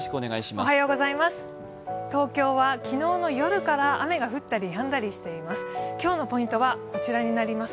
東京は昨日の夜から雨が降ったりやんだりしています。